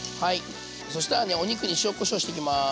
そしたらねお肉に塩こしょうしていきます。